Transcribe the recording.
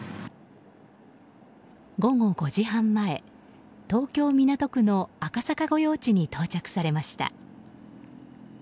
午後５時半前、東京・港区の赤坂御用地に到着されました。